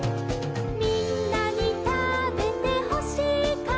「みんなにたべてほしいから」